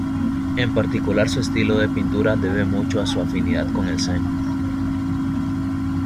En particular, su estilo de pintura debe mucho a su afinidad con el Zen.